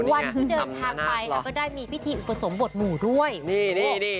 วันที่เดินทางไปแล้วก็ได้มีพิธีอุปสมบทหมู่ด้วยนี่นี่